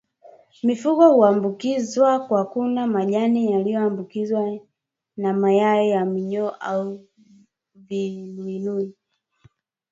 Mifugo huambukizwa kwa kula majani yaliyoambukizwa na mayai ya minyoo au viluilui